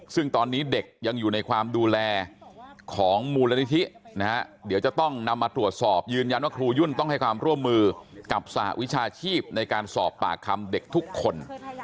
ซึ่งตอนนี้เด็กยังอยู่ในความดูแลของมูลนิธินะฮะเดี๋ยวจะต้องนำมาตรวจสอบยืนยันว่าครูยุ่นต้องให้ความร่วมมือกับสหวิชาชีพในการสอบปากคำเด็กทุกคน